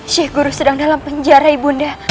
syih guru sedang dalam penjara ibunda